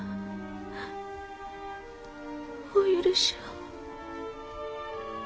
お許しを。